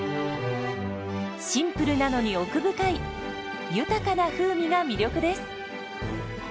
シンプルなのに奥深い豊かな風味が魅力です。